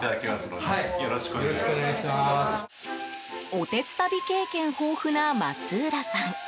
おてつたび経験豊富な松浦さん。